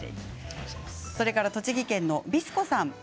栃木県の方です。